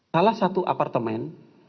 salah satu apartemen